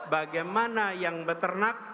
bagaimana yang beternak